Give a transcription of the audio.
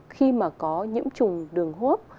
khi mà có nhiễm trùng đường hô hấp